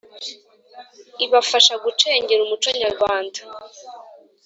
ibafasha gucengera umuco nyarwanda,